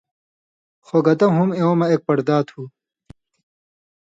خو گتہ ہُم اېوں مہ اېک پڑدا تُھو